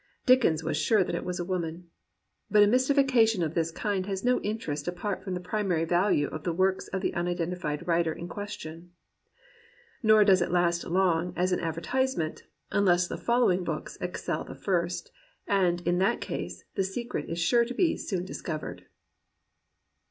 Dickens was sure that it was a woman. But a mystification of this kind has no interest apart from the primary value of the works of the unidentified writer in question. Nor does it last long as an advertise ment, unless the following books excel the first; and, in that case, the secret is sure to be soon dis covered.